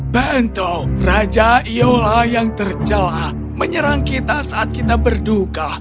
bentuk raja iola yang tercelah menyerang kita saat kita berduka